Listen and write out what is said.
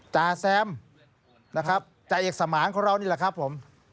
จาแซมนะครับจ่าเอกสมานของเรานี่แหละครับผม